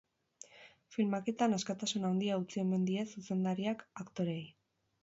Filmaketan askatasun handia utzi omen die zuzendariak aktoreei.